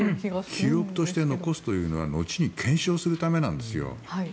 記録として残すのは後に検証するためなんですよ。